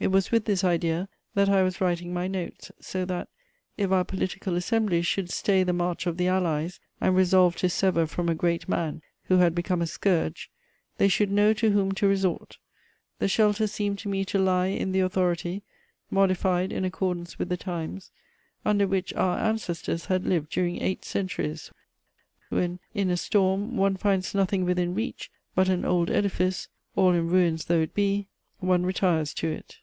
It was with this idea that I was writing my notes, so that, if our political assemblies should stay the march of the Allies and resolve to sever from a great man who had become a scourge, they should know to whom to resort; the shelter seemed to me to lie in the authority, modified in accordance with the times, under which our ancestors had lived during eight centuries: when, in a storm, one finds nothing within reach but an old edifice, all in ruins though it be, one retires to it.